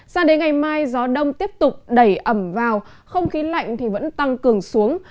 sao đến ngày mai gió đông tiếp tục đẩy ẩm vào không khí lạnh vẫn tăng cường xuống